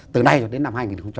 từ nay đến năm hai nghìn hai mươi